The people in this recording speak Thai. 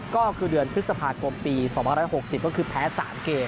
ก็คือเดือนพฤษภาคมปี๒๖๐ก็คือแพ้๓เกม